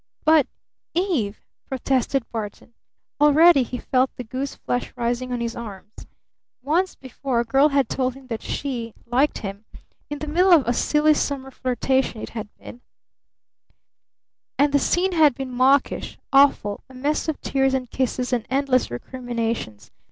"But Eve!" protested Barton. Already he felt the goose flesh rising on his arms. Once before a girl had told him that she liked him. In the middle of a silly summer flirtation it had been, and the scene had been mawkish, awful, a mess of tears and kisses and endless recriminations.